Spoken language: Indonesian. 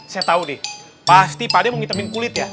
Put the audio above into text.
saya tau nih pasti pade mau ngitemin kulit ya